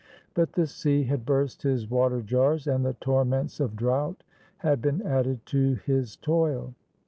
But the sea had burst his water jars, and the torments of drought had been added to his toil.